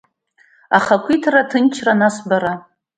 Ахақәиҭра, аҭынчра, нас бара?!